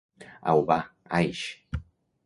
Au va: Aix